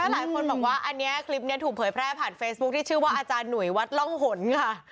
หลายคนบอกว่าอันนี้คลิปนี้ถูกเผยแพร่ผ่านเฟซบุ๊คที่ชื่อว่าอาจารย์หนุ่ยวัดร่องหนค่ะ